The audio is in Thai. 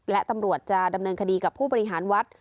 และตำรวจจะดำเนินคดีกับผู้บริหารวัด